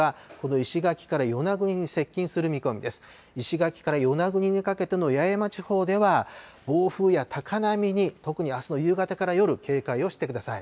石垣から与那国にかけての八重山地方では、暴風や高波に、特にあすの夕方から夜、警戒をしてください。